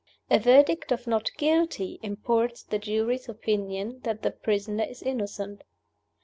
A verdict of Not Guilty imports the jury's opinion that the prisoner is innocent.